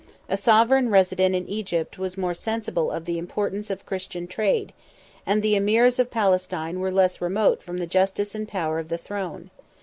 A sovereign resident in Egypt was more sensible of the importance of Christian trade; and the emirs of Palestine were less remote from the justice and power of the throne.